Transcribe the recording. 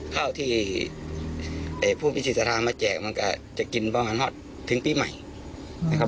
ข้าวที่ผู้พิสิทธามาแจกมันก็จะกินบองฮันฮอตถึงปีใหม่นะครับ